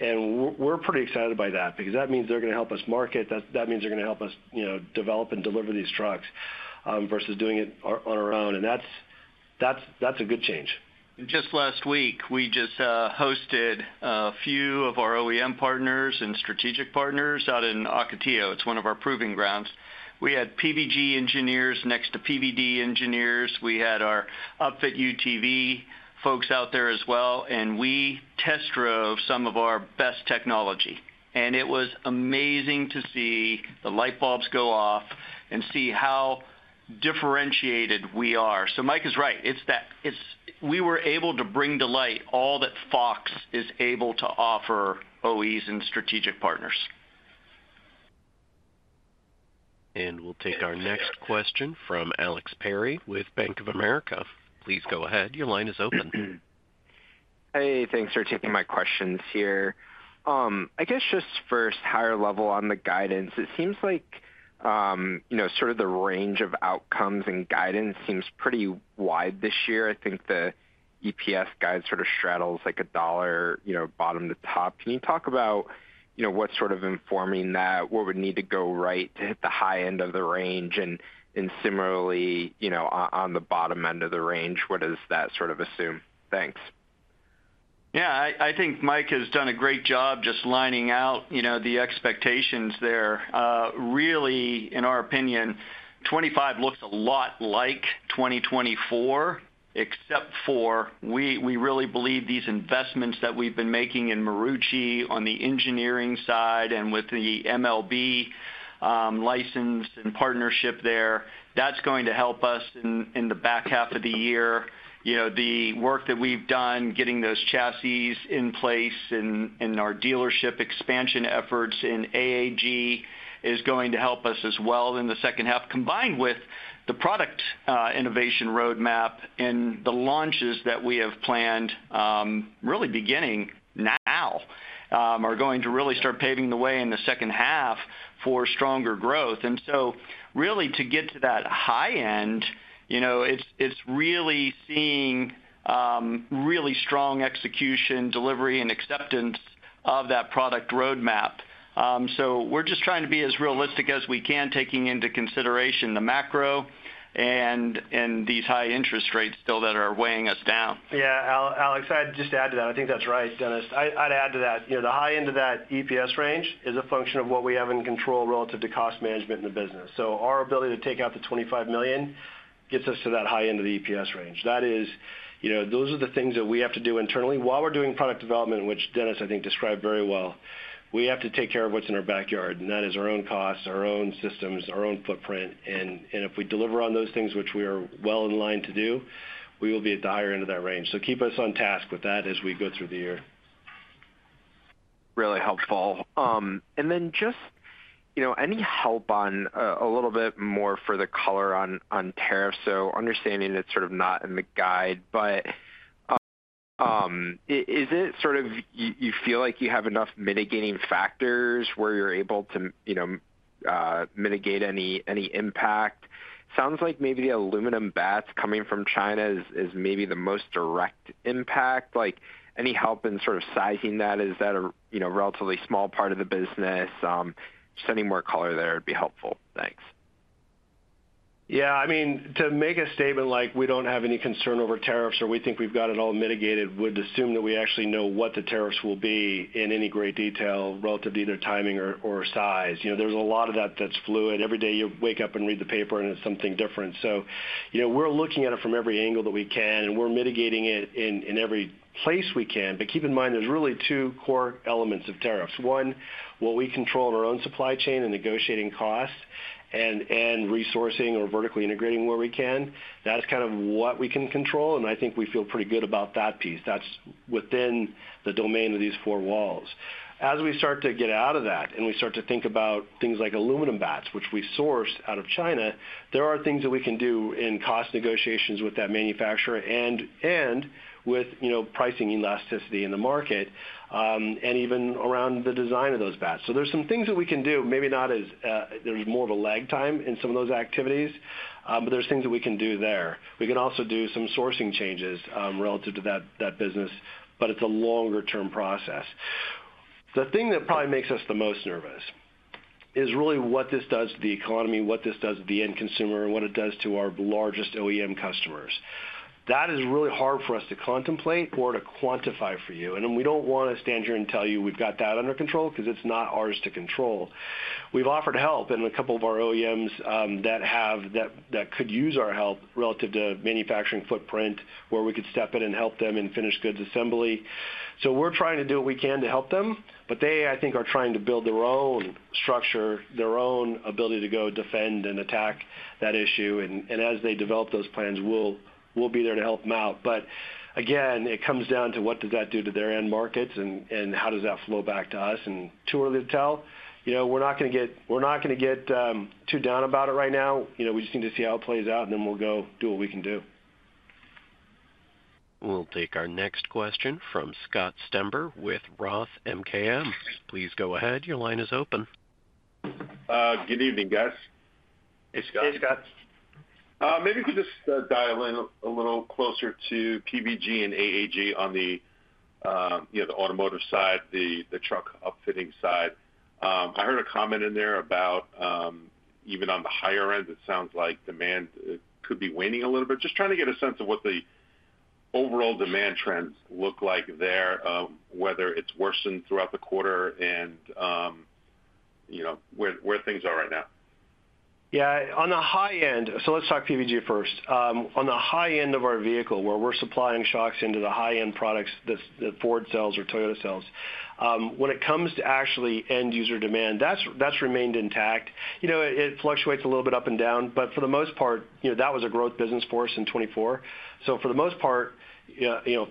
We're pretty excited by that because that means they're going to help us market. That means they're going to help us develop and deliver these trucks versus doing it on our own. That is a good change. Just last week, we hosted a few of our OEM partners and strategic partners out in Acatio. It's one of our proving grounds. We had PVG engineers next to PVG engineers. We had our Upfit UTV folks out there as well, and we test drove some of our best technology. It was amazing to see the light bulbs go off and see how differentiated we are. Mike is right. We were able to bring to light all that Fox is able to offer OEs and strategic partners. We'll take our next question from Alex Perry with Bank of America. Please go ahead. Your line is open. Hey, thanks for taking my questions here. I guess just first, higher level on the guidance, it seems like sort of the range of outcomes and guidance seems pretty wide this year. I think the EPS guide sort of straddles like a dollar bottom to top. Can you talk about what's sort of informing that? What would need to go right to hit the high end of the range? Similarly, on the bottom end of the range, what does that sort of assume? Thanks. Yeah. I think Mike has done a great job just lining out the expectations there. Really, in our opinion, 2025 looks a lot like 2024, except for we really believe these investments that we've been making in Marucci on the engineering side and with the MLB license and partnership there, that's going to help us in the back half of the year. The work that we've done, getting those chassis in place and our dealership expansion efforts in AAG is going to help us as well in the second half, combined with the product innovation roadmap and the launches that we have planned really beginning now are going to really start paving the way in the second half for stronger growth. To get to that high end, it's really seeing really strong execution, delivery, and acceptance of that product roadmap. We're just trying to be as realistic as we can, taking into consideration the macro and these high interest rates still that are weighing us down. Yeah. Alex, I'd just add to that. I think that's right, Dennis. I'd add to that. The high end of that EPS range is a function of what we have in control relative to cost management in the business. Our ability to take out the $25 million gets us to that high end of the EPS range. That is, those are the things that we have to do internally. While we're doing product development, which Dennis, I think, described very well, we have to take care of what's in our backyard. That is our own costs, our own systems, our own footprint. If we deliver on those things, which we are well in line to do, we will be at the higher end of that range. Keep us on task with that as we go through the year. Really helpful. Any help on a little bit more for the color on tariffs? Understanding it's sort of not in the guide, but is it sort of you feel like you have enough mitigating factors where you're able to mitigate any impact? Sounds like maybe the aluminum batch coming from China is maybe the most direct impact. Any help in sort of sizing that? Is that a relatively small part of the business? Just any more color there would be helpful. Thanks. Yeah. I mean, to make a statement like we don't have any concern over tariffs or we think we've got it all mitigated would assume that we actually know what the tariffs will be in any great detail relative to either timing or size. There's a lot of that that's fluid. Every day you wake up and read the paper, and it's something different. We are looking at it from every angle that we can, and we are mitigating it in every place we can. Keep in mind, there's really two core elements of tariffs. One, what we control in our own supply chain and negotiating costs and resourcing or vertically integrating where we can. That is kind of what we can control. I think we feel pretty good about that piece. That is within the domain of these four walls. As we start to get out of that and we start to think about things like aluminum batches, which we source out of China, there are things that we can do in cost negotiations with that manufacturer and with pricing elasticity in the market and even around the design of those batches. There are some things that we can do. Maybe not as there is more of a lag time in some of those activities, but there are things that we can do there. We can also do some sourcing changes relative to that business, but it is a longer-term process. The thing that probably makes us the most nervous is really what this does to the economy, what this does to the end consumer, and what it does to our largest OEM customers. That is really hard for us to contemplate or to quantify for you. We do not want to stand here and tell you we have got that under control because it is not ours to control. We have offered help in a couple of our OEMs that could use our help relative to manufacturing footprint where we could step in and help them in finished goods assembly. We are trying to do what we can to help them, but they, I think, are trying to build their own structure, their own ability to go defend and attack that issue. As they develop those plans, we will be there to help them out. Again, it comes down to what does that do to their end markets and how does that flow back to us. Too early to tell. We're not going to get too down about it right now. We just need to see how it plays out, and then we'll go do what we can do. We'll take our next question from Scott Stember with Roth MKM. Please go ahead. Your line is open. Good evening, guys. Maybe if you just dial in a little closer to PVG and AAG on the automotive side, the truck Upfitting side. I heard a comment in there about even on the higher end, it sounds like demand could be waning a little bit. Just trying to get a sense of what the overall demand trends look like there, whether it's worsened throughout the quarter and where things are right now. Yeah. On the high end, let's talk PVG first. On the high end of our vehicle, where we're supplying shocks into the high-end products that Ford sells or Toyota sells, when it comes to actually end user demand, that's remained intact. It fluctuates a little bit up and down, but for the most part, that was a growth business for us in 2024. For the most part,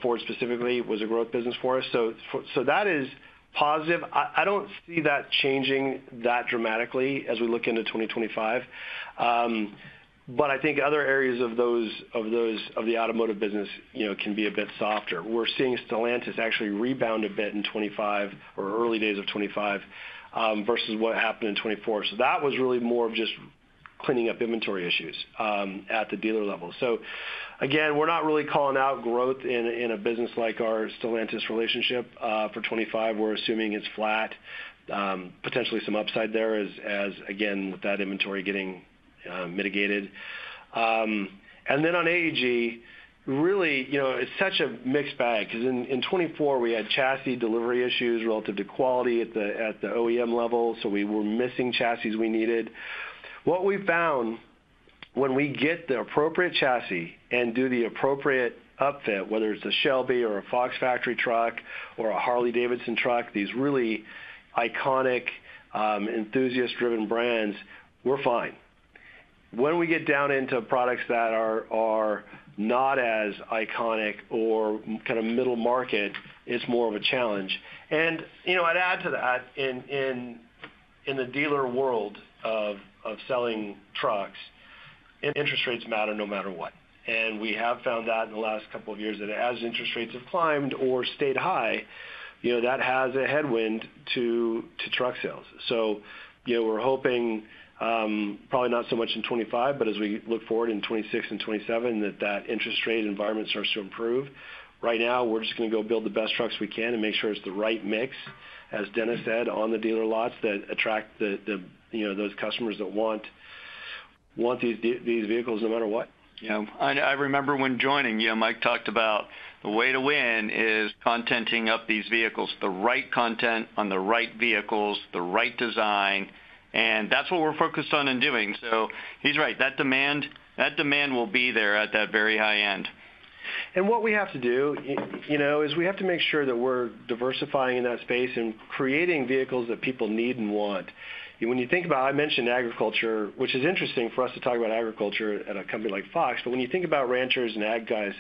Ford specifically was a growth business for us. That is positive. I don't see that changing that dramatically as we look into 2025. I think other areas of the automotive business can be a bit softer. We're seeing Stellantis actually rebound a bit in 2025 or early days of 2025 versus what happened in 2024. That was really more of just cleaning up inventory issues at the dealer level. Again, we're not really calling out growth in a business like our Stellantis relationship for 2025. We're assuming it's flat, potentially some upside there as, again, with that inventory getting mitigated. On AAG, really, it's such a mixed bag because in 2024, we had chassis delivery issues relative to quality at the OEM level. We were missing chassis we needed. What we found when we get the appropriate chassis and do the appropriate Upfit, whether it's a Shelby or a Fox Factory truck or a Harley-Davidson truck, these really iconic enthusiast-driven brands, we're fine. When we get down into products that are not as iconic or kind of middle market, it's more of a challenge. I'd add to that in the dealer world of selling trucks, interest rates matter no matter what. We have found that in the last couple of years that as interest rates have climbed or stayed high, that has a headwind to truck sales. We're hoping probably not so much in 2025, but as we look forward in 2026 and 2027, that that interest rate environment starts to improve. Right now, we're just going to go build the best trucks we can and make sure it's the right mix, as Dennis said, on the dealer lots that attract those customers that want these vehicles no matter what. Yeah. I remember when joining, Mike talked about the way to win is contenting up these vehicles, the right content on the right vehicles, the right design. That is what we are focused on and doing. He is right. That demand will be there at that very high end. What we have to do is we have to make sure that we are diversifying in that space and creating vehicles that people need and want. When you think about I mentioned agriculture, which is interesting for us to talk about agriculture at a company like Fox, but when you think about ranchers and ag guys,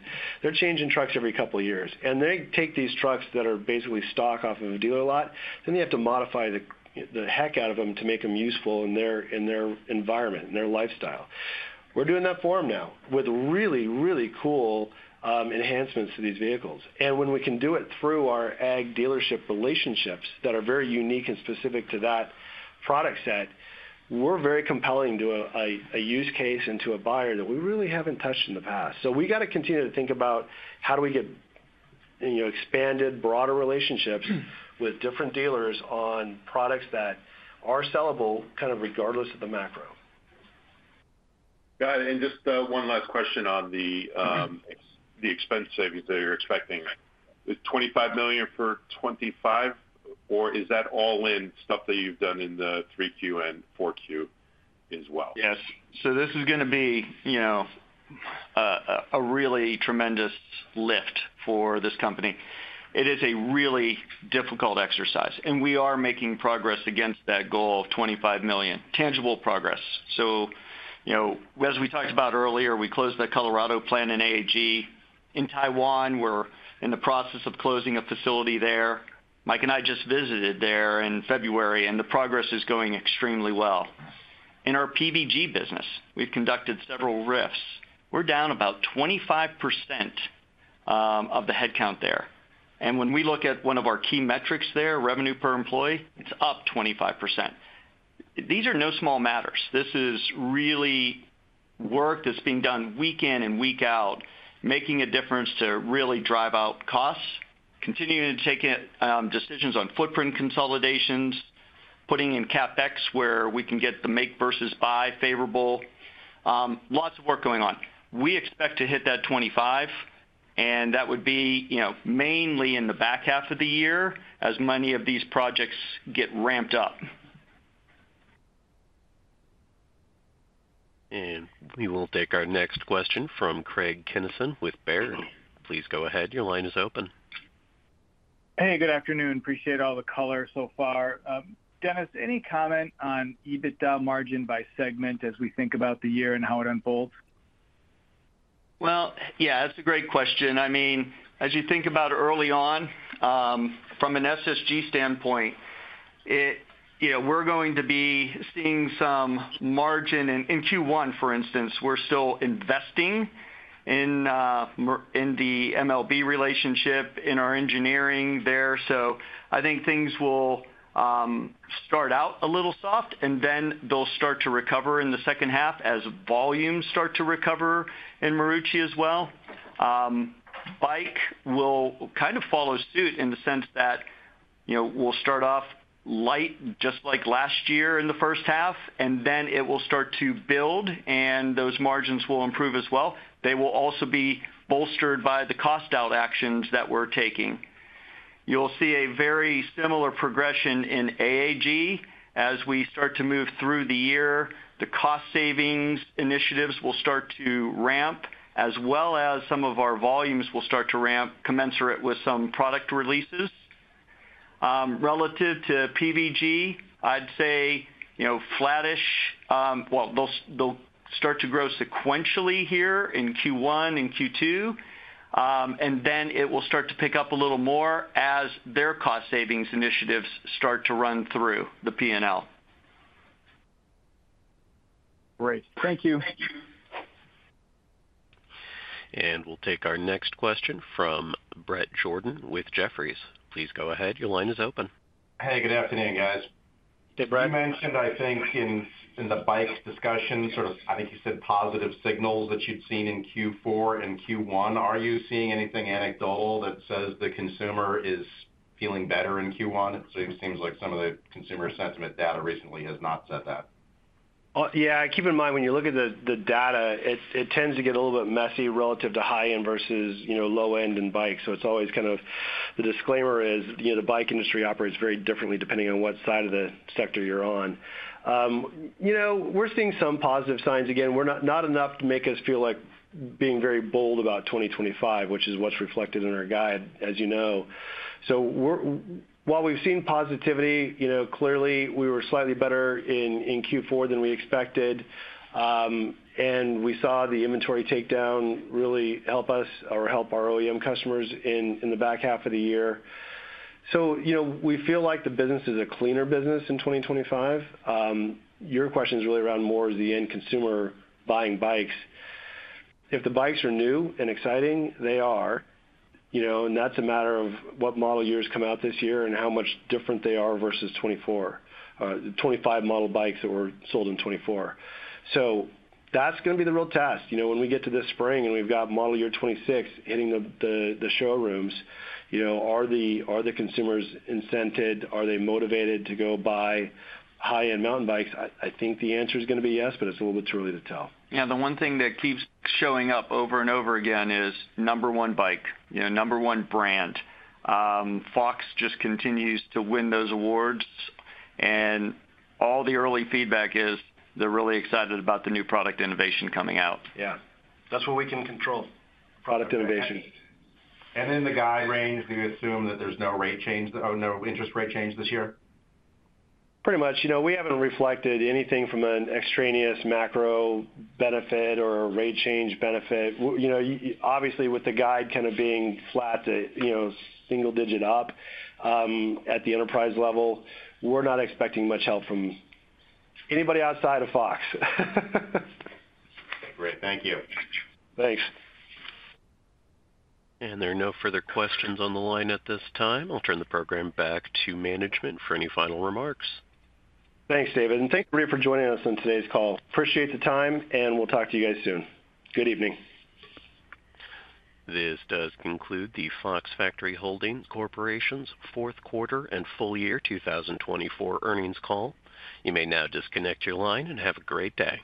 they are changing trucks every couple of years. They take these trucks that are basically stock off of a dealer lot, then they have to modify the heck out of them to make them useful in their environment, in their lifestyle. We're doing that for them now with really, really cool enhancements to these vehicles. When we can do it through our ag dealership relationships that are very unique and specific to that product set, we're very compelling to a use case and to a buyer that we really haven't touched in the past. We have to continue to think about how do we get expanded, broader relationships with different dealers on products that are sellable kind of regardless of the macro. Got it. Just one last question on the expense savings that you're expecting. Is $25 million for 2025, or is that all in stuff that you've done in the third quarter and fourth quarter as well? Yes. This is going to be a really tremendous lift for this company. It is a really difficult exercise. We are making progress against that goal of $25 million, tangible progress. As we talked about earlier, we closed the Colorado plant in AAG. In Taiwan, we're in the process of closing a facility there. Mike and I just visited there in February, and the progress is going extremely well. In our PVG business, we've conducted several rifts. We're down about 25% of the headcount there. When we look at one of our key metrics there, revenue per employee, it's up 25%. These are no small matters. This is really work that's being done week in and week out, making a difference to really drive out costs, continuing to take decisions on footprint consolidations, putting in CapEx where we can get the make versus buy favorable. Lots of work going on. We expect to hit that 25, and that would be mainly in the back half of the year as many of these projects get ramped up. We will take our next question from Craig Kennison with Baird. Please go ahead. Your line is open. Hey, good afternoon. Appreciate all the color so far. Dennis, any comment on EBITDA margin by segment as we think about the year and how it unfolds? Yeah, that's a great question. I mean, as you think about early on, from an SSG standpoint, we're going to be seeing some margin. In Q1, for instance, we're still investing in the MLB relationship in our engineering there. I think things will start out a little soft, and then they'll start to recover in the second half as volumes start to recover in Marucci as well. Bike will kind of follow suit in the sense that we'll start off light just like last year in the first half, and then it will start to build, and those margins will improve as well. They will also be bolstered by the cost-out actions that we're taking. You'll see a very similar progression in AAG as we start to move through the year. The cost savings initiatives will start to ramp, as well as some of our volumes will start to ramp commensurate with some product releases. Relative to PVG, I'd say flattish. They'll start to grow sequentially here in Q1 and Q2, and then it will start to pick up a little more as their cost savings initiatives start to run through the P&L. Great. Thank you. Thank you. We'll take our next question from Bret Jordan with Jefferies. Please go ahead. Your line is open. Hey, good afternoon, guys. Hey, Brett. You mentioned, I think, in the bike discussion, sort of I think you said positive signals that you'd seen in Q4 and Q1. Are you seeing anything anecdotal that says the consumer is feeling better in Q1? It seems like some of the consumer sentiment data recently has not said that. Yeah. Keep in mind, when you look at the data, it tends to get a little bit messy relative to high-end versus low-end in bikes. So it's always kind of the disclaimer is the bike industry operates very differently depending on what side of the sector you're on. We're seeing some positive signs. Again, not enough to make us feel like being very bold about 2025, which is what's reflected in our guide, as you know. While we've seen positivity, clearly, we were slightly better in Q4 than we expected. We saw the inventory takedown really help us or help our OEM customers in the back half of the year. We feel like the business is a cleaner business in 2025. Your question is really around more as the end consumer buying bikes. If the bikes are new and exciting, they are. That is a matter of what model years come out this year and how much different they are versus 2024, 2025 model bikes that were sold in 2024. That is going to be the real test. When we get to this spring and we have model year 2026 hitting the showrooms, are the consumers incented? Are they motivated to go buy high-end mountain bikes? I think the answer is going to be yes, but it is a little bit too early to tell. Yeah. The one thing that keeps showing up over and over again is number one bike, number one brand. Fox just continues to win those awards. And all the early feedback is they're really excited about the new product innovation coming out. Yeah. That's what we can control, product innovation. In the guide range, do you assume that there's no rate change or no interest rate change this year? Pretty much. We haven't reflected anything from an extraneous macro benefit or rate change benefit. Obviously, with the guide kind of being flat to single-digit up at the enterprise level, we're not expecting much help from anybody outside of Fox. Great. Thank you. Thanks. There are no further questions on the line at this time. I'll turn the program back to management for any final remarks. Thanks, David. Thank you for joining us on today's call. Appreciate the time, and we'll talk to you guys soon. Good evening. This does conclude the Fox Factory Holding Corp fourth quarter and full year 2024 earnings call. You may now disconnect your line and have a great day.